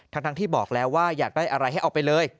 ทั้งที่บอกแล้วว่าอยากได้อะไรให้เอาไปเลย